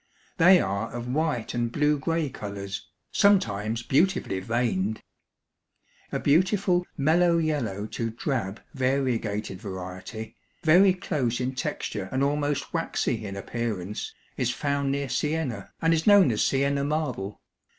They are of white and blue gray colors, sometimes beautifully veined. A beautiful, mellow yellow to drab variegated variety, very close in texture and almost waxy in appearance, is found near Siena, and is known as Siena marble.